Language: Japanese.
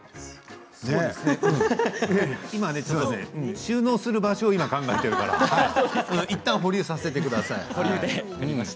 今ね、収納する場所を考えているからいったん保留させてください。